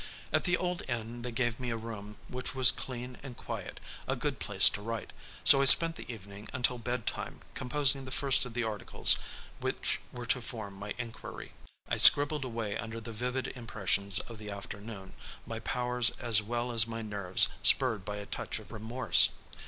At the old inn they gave me a room which was clean and quiet, a good place to write, so I spent the evening until bedtime composing the first of the articles which were to form my inquiry. I scribbled away under the vivid impressions of the afternoon, my powers as well as my nerves spurred by a touch of remorse.